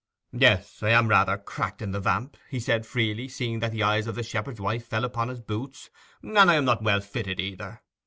'Yes, I am rather cracked in the vamp,' he said freely, seeing that the eyes of the shepherd's wife fell upon his boots, 'and I am not well fitted either.